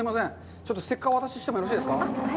ちょっとステッカーをお渡ししてもよろしいですか。